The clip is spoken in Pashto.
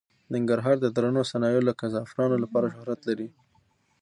ننګرهار د درنو صنایعو لکه زعفرانو لپاره شهرت لري.